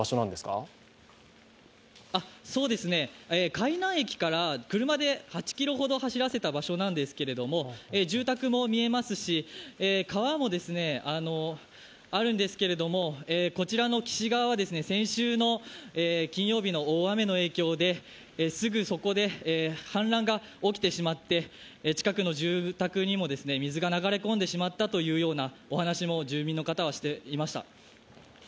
海南駅から車で８ｋｍほど走らせた場所なんですけれども住宅も見えますし川もあるんですけれども、こちらの貴志川は先週の金曜日の大雨の影響ですぐそこで氾濫が起きてしまって、近くの住宅にも水が流れ込んでしまったというようなお話も住民の方はしていました。